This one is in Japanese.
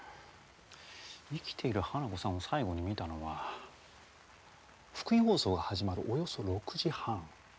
生きている花子さんを最後に見たのは復員放送が始まるおよそ６時半。